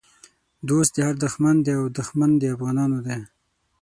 دوست د هر دښمن دی او دښمن د افغانانو دی